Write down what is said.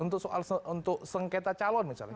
untuk soal sengketa calon misalnya